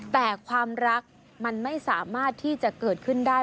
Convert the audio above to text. แต่ความรักมันไม่สามารถที่จะเกิดขึ้นได้